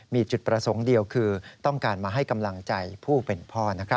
มีจุดประสงค์เดียวคือต้องการมาให้กำลังใจผู้เป็นพ่อ